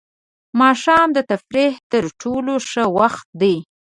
ماښام د تفریح تر ټولو ښه وخت دی.